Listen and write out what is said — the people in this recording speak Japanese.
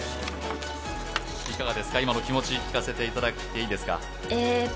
いかがですか、今の気持ち、聞かせていただいていいですか？